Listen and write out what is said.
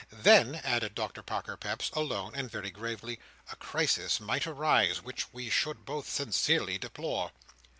"Then," added Doctor Parker Peps, alone and very gravely, "a crisis might arise, which we should both sincerely deplore."